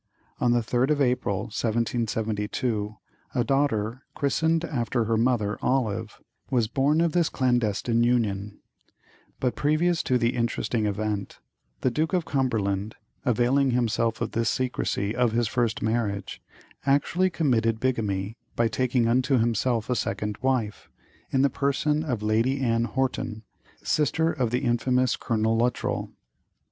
On the 3rd of April, 1772, a daughter, christened after her mother, Olive, was born of this clandestine union; but, previous to the interesting event, the Duke of Cumberland, availing himself of the secrecy of his first marriage, actually committed bigamy by taking unto himself a second wife, in the person of Lady Anne Horton, sister of the infamous Colonel Luttrel.